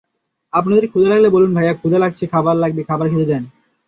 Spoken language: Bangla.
আপনাদের ক্ষুদা লাগলে বলুন ভাইয়া ক্ষুদা লাগছে, খাবার লাগবে, খাবার খেতে দেন।